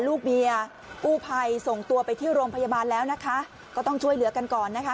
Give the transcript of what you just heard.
ลูกเมียกู้ภัยส่งตัวไปที่โรงพยาบาลแล้วนะคะก็ต้องช่วยเหลือกันก่อนนะคะ